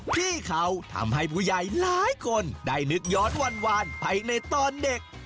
พี่เขาทำให้ผู้ใหญ่หลายคนได้นึกย้อนวานไปในตอนเด็ก